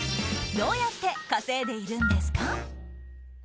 どうやって稼いでいるんですか？